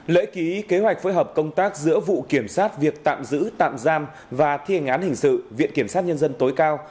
lễ ký kế hoạch phối hợp công tác giữa vụ kiểm soát việc tạm giữ tạm giam và thi hành án hình sự viện kiểm sát nhân dân tối cao